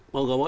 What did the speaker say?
mau gak mau